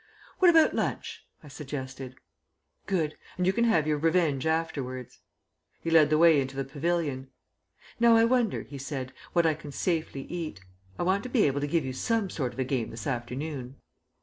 "What about lunch?" I suggested. "Good; and you can have your revenge afterwards." He led the way into the pavilion. "Now I wonder," he said, "what I can safely eat. I want to be able to give you some sort of a game this afternoon."